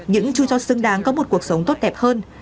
những chú chó xứng đáng có một cuộc sống tốt đẹp hơn